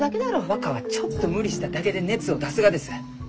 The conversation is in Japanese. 若はちょっと無理しただけで熱を出すがです。